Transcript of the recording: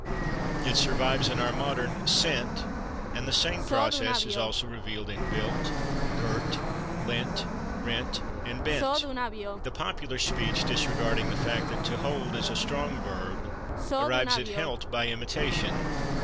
It survives in our modern /sent/, and the same process is also revealed in /built/, /girt/, /lent/, /rent/ and /bent/. The popular speech, disregarding the fact that /to hold/ is a strong verb, arrives at /helt/ by imitation.